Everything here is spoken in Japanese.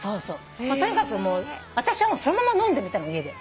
とにかくもう私はそのまま飲んでみたの家で。